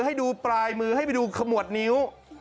ให้ดูปลายมือให้ไปดูขมวดนิ้ว